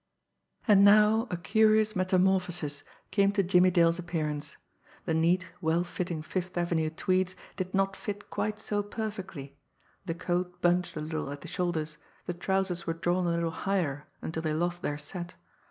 And now a curious metamorphosis came to Jimmie Dale's appearance. The neat, well fitting Fifth Avenue tweeds did not fit quite so perfectly the coat bunched a little at the shoulders, the trousers were drawn a little higher until they lost their "set."